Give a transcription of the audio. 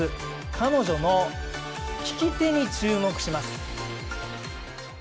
彼女の利き手に注目します。